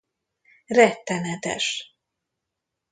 Rettenetes!